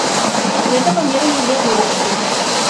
Гэта памер яе выручкі.